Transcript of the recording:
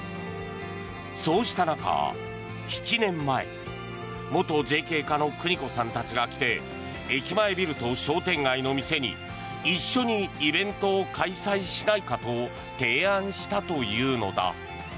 そうした中、７年前元ＪＫ課のくにこさんたちが来て駅前ビルと商店街の店に一緒にイベントを開催しないかと提案したというのだ。